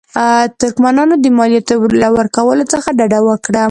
ترکمنانو د مالیاتو له ورکولو څخه ډډه وکړه.